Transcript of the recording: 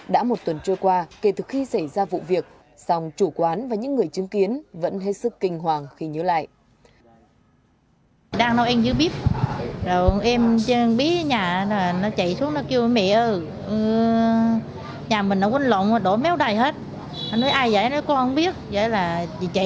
đã một tuần trôi qua kể từ khi xảy ra vụ việc song chủ quán và những người chứng kiến vẫn hết sức kinh hoàng khi nhớ lại